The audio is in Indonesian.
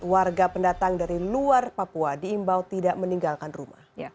warga pendatang dari luar papua diimbau tidak meninggalkan rumah